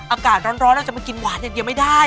อากาศร้อนเราจะมากินหวานอย่างเดียวไม่ได้